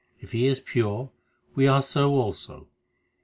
If He is pure, we are so also.